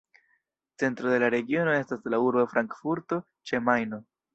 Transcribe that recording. Centro de la regiono estas la urbo Frankfurto ĉe Majno.